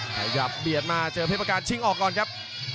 ขยับเบียดมาเจอเพชรประการชิงออกก่อนครับ